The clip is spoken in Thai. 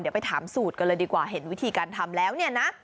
เดี๋ยวไปถามสูตรกันเลยดีกว่าเห็นวิธีการทำแล้วเนี่ยนะ